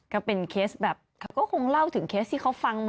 ก็เป็นเคสแบบเขาก็คงเล่าถึงเคสที่เขาฟังมา